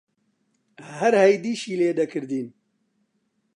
هەر هەیدیشی لێ دەکردین: